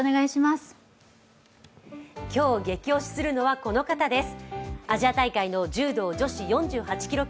今日、ゲキ推しするのはこの方です。